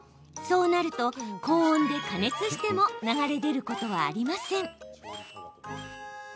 そうなると高温で加熱しても流れ出ることはありません。